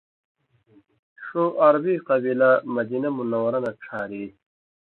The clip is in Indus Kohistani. ݜُو عربی قبیلہ مدینہ منوّرہ نہ ڇھاری